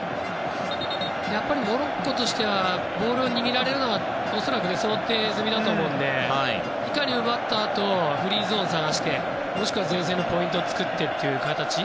やはりモロッコとしてはボールを握られるのは恐らく、想定済みだと思うのでいかに奪ったあとフリーゾーンを探してもしくは前線でポイントを作ってという形。